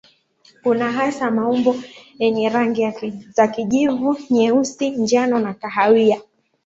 Kuna hasa maumbo yenye rangi za kijivu, nyeusi, njano na kahawia.